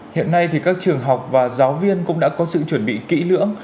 hiện nay thì các trường học và giáo viên cũng đã có sự chuẩn bị kỹ lưỡng